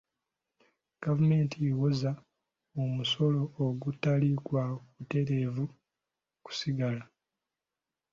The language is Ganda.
Gavumenti ewooza omusolo ogutali gwa butereevu ku ssigala.